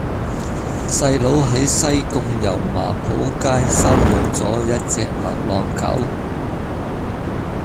細佬喺西貢油麻莆街收養左一隻流浪狗